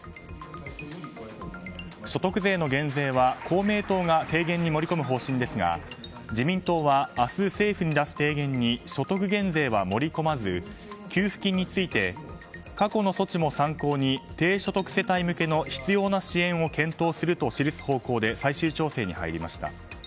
所得税の減税は、公明党が提言に盛り込む方針ですが自民党は、明日政府に出す提言に所得減税は盛り込まず給付金について過去の措置も参考に低所得世帯向けの必要な支援を検討すると記す方向で最終調整に入りました。